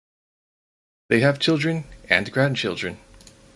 They have children and grandchildren.